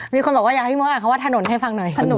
มีคนบอกว่าอยากให้พี่มดอ่านคำว่าถนนให้ฟังหน่อย